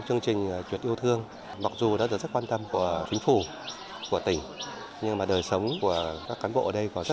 chương trình ngày chủ nhật yêu thương đã tổ chức nhiều hoạt động thiết thực như tổ chức bữa ăn trưa